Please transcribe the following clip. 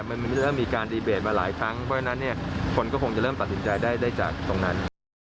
มันจะต้องมีการดีเบตมาหลายครั้งเพราะฉะนั้นเนี่ยคนก็คงจะเริ่มตัดสินใจได้จากตรงนั้น